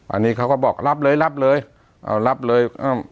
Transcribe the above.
อันนี้เขาก็บอกรับเลยรับเลยเอารับเลย